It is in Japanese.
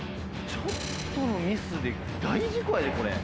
ちょっとのミスで大事故やでこれ。